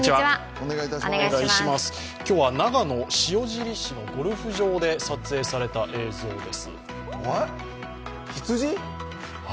今日は長野、塩尻市のゴルフ場で撮影された映像です。